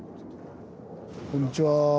こんにちは。